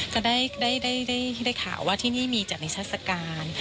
ก็ได้ข่าวว่าที่นี่มีจัดนิทัศกาล